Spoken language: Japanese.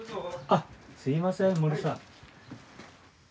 あっすいません森さん。